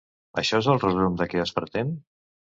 Això és el resum de què es pretén?